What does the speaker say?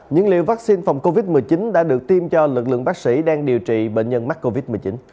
những liều vaccine phòng covid một mươi chín đã được tiêm cho lực lượng bác sĩ đang điều trị bệnh nhân mắc covid một mươi chín